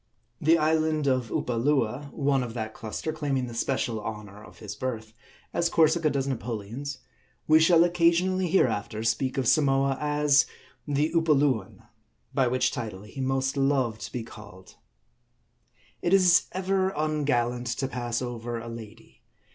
The island of Upolua, one of that cluster, claiming the special honor of his birth, as Cor sica does Napoleon's, we shall occasionally hereafter speak of Samoa as the Upoluan ; by which title he most loved to be called. It is ever ungallant to pass over a lady.